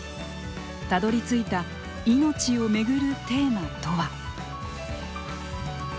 たどりついた命を巡るテーマとは。